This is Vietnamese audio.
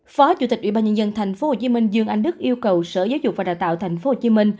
phó chủ tịch ủy ban nhân dân tp hcm dương anh đức yêu cầu sở giáo dục và đào tạo tp hcm